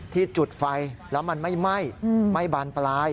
จุดไฟแล้วมันไม่ไหม้ไม่บานปลาย